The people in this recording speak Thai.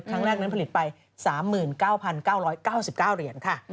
ครั้งแรกนั้นผลิตไป๓๙๙๙๙เหรียญค่ะ